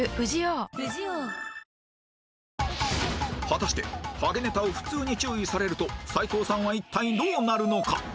果たしてハゲネタを普通に注意されると斎藤さんは一体どうなるのか？